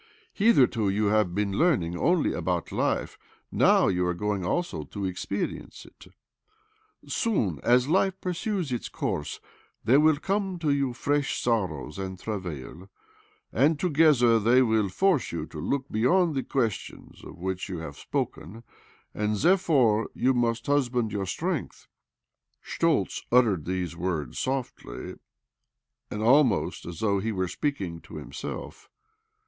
Hitherto you have been learning only about life : now you are going also to experience it. Soon, as life piursues its course, there will come to you fresh sorrows and travail ; and, tO'gether, they will force you to look beyond the questions of which you have spoken, and therefore you must husband your strength." Schtoltz uttered these words softly, and almost as though he were speaking to him self.